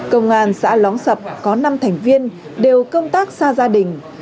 công an xã lóng sập có năm thành viên đều công tác xa gia đình